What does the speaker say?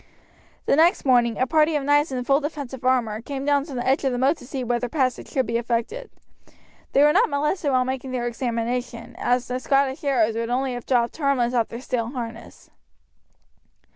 The next morning a party of knights in full defensive armour came down to the edge of the moat to see whether passage could be effected. They were not molested while making their examination, as the Scottish arrows would only have dropped harmless off their steel harness.